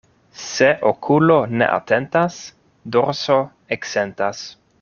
Se okulo ne atentas, dorso eksentas.